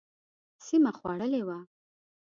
سیمه خوړلې وه.